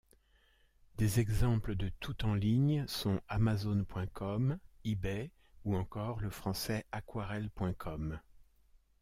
Des exemples de tout en ligne sont Amazon.com, eBay ou encore le français Aquarelle.com.